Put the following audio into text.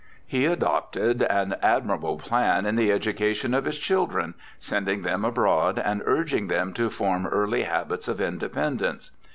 He adopted an ad mirable plan in the education of his children, sending them abroad, and urging them to form early habits of independence.